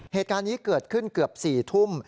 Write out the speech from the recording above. เหตุการณ์นี้เกิดขึ้นเกือบ๔ทุ่ม